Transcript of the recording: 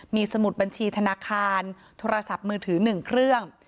มีสมุดบัญชีธนาคารโทรศัพท์มือถือ๑เครื่อง